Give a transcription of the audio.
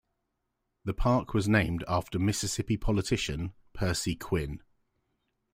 The park was named after Mississippi politician Percy Quin.